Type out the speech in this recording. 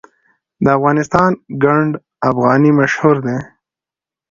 د افغانستان ګنډ افغاني مشهور دی